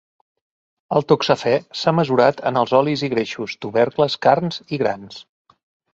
El toxafè s'ha mesurat en els olis i greixos, tubercles, carns i grans.